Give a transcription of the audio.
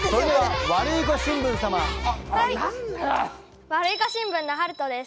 ワルイコ新聞のはるとです。